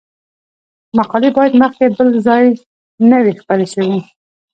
مقالې باید مخکې بل ځای نه وي خپرې شوې.